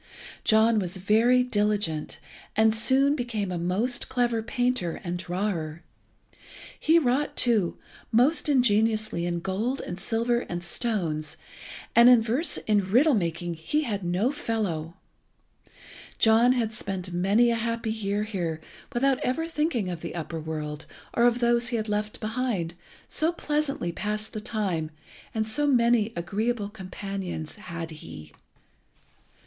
John was very diligent, and soon became a most clever painter and drawer. He wrought, too, most ingeniously in gold and silver and stones, and in verse and riddle making he had no fellow. John had spent many a happy year here without ever thinking of the upper world, or of those he had left behind, so pleasantly passed the time so many agreeable companions had he.